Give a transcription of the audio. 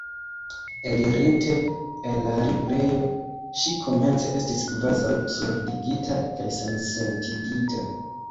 Elirinte el la librejo, ŝi komence estis kvazaŭ surdigita kaj sensentigita.